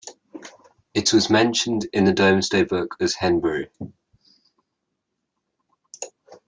It was mentioned in the Domesday Book as "Henberie".